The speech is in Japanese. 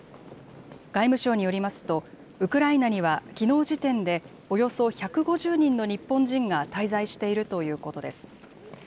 外務省によりますと、ウクライナには、きのう時点でおよそ１５０人の日本人が滞在しているということです。